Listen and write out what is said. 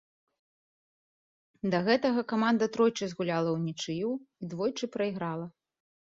Да гэтага каманда тройчы згуляла ўнічыю і двойчы прайграла.